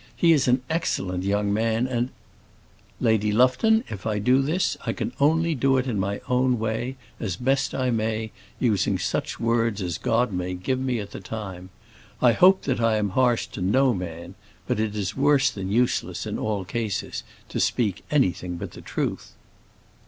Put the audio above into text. He is an excellent young man, and " "Lady Lufton, if I do this, I can only do it in my own way, as best I may, using such words as God may give me at the time. I hope that I am harsh to no man; but it is worse than useless, in all cases, to speak anything but the truth."